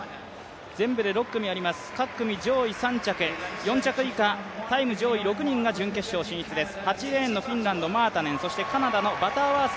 全部で６組あります、各組上位３着、４着以下、タイム上位６人が準決勝進出です。